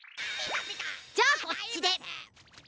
じゃあこっちで！